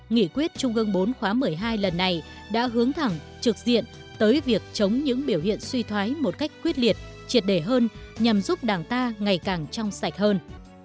nghị quyết trung ương bốn khóa một mươi hai lần này đã hướng thẳng trực diện tới việc chống những biểu hiện suy thoái một cách quyết liệt triệt đề hơn nhằm giúp đảng ta ngày càng trong sạch hơn